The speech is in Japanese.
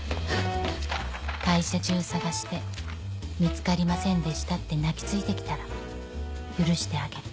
会社中捜して見つかりませんでしたって泣き付いて来たら許してあげる